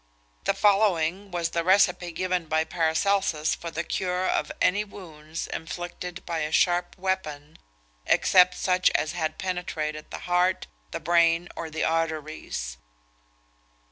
The following was the recipe given by Paracelsus for the cure of any wounds inflicted by a sharp weapon, except such as had penetrated the heart, the brain, or the arteries.